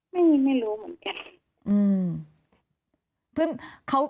ไม่รู้เหมือนกัน